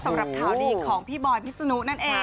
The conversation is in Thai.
สำหรับข่าวดีของพี่บอยพิษนุนั่นเอง